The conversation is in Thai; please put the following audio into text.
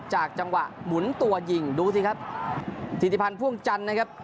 จากจังหวะหมุนตัวยิงดูสิครับธิติพันธ์พ่วงจันทร์นะครับ